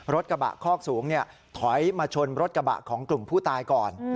รถกระบะคอกสูงถอยมาชนรถกระบะของกลุ่มผู้ตายก่อน